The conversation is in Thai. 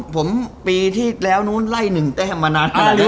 ผมปีที่แล้วนู้นไล่๑แต้มมานาน